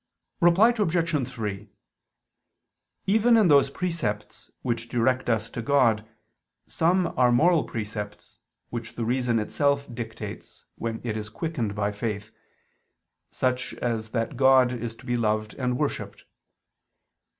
Reply Obj. 3: Even in those precepts which direct us to God, some are moral precepts, which the reason itself dictates when it is quickened by faith; such as that God is to be loved and worshipped.